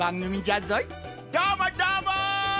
どーもどーも！